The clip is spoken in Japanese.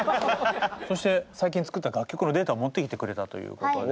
そして最近作った楽曲のデータを持ってきてくれたということで。